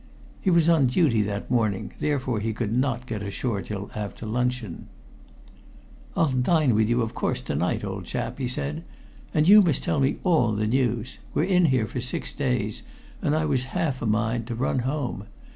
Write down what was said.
He was on duty that morning, therefore could not get ashore till after luncheon. "I'll dine with you, of course, to night, old chap," he said. "And you must tell me all the news. We're in here for six days, and I was half a mind to run home.